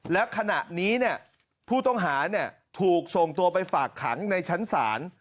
แล้วขณะนี้ผู้ต้องหาถูกส่งตัวไปฝากขังในชั้นศาล